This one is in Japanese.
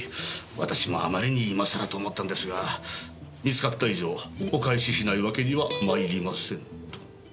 私もあまりに今さらと思ったんですが「見つかった以上お返ししないわけにはまいりません」と。